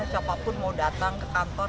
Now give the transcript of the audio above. siapapun mau datang ke kantor